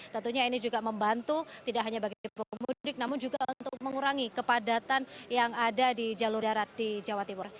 tentunya ini juga membantu tidak hanya bagi pemudik namun juga untuk mengurangi kepadatan yang ada di jalur darat di jawa timur